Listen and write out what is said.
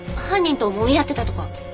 犯人ともみ合ってたとか？